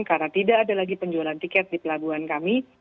karena tidak ada lagi penjualan tiket di pelabuhan kami